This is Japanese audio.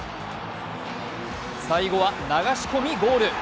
最後は流し込みゴール。